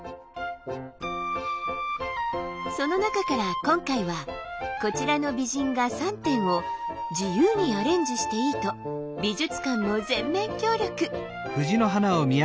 その中から今回はこちらの美人画３点を自由にアレンジしていいと美術館も全面協力。